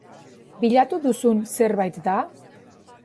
Bilatu duzun zerbait da?